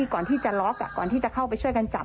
ก่อนที่จะล็อกก่อนที่จะเข้าไปช่วยกันจับ